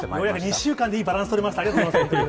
２週間でいいバランスとれました、ありがとうございます。